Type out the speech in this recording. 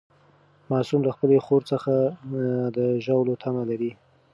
معصوم له خپلې خور څخه د ژاولو تمه لري.